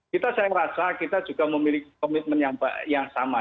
kita saya rasa kita juga memiliki komitmen yang sama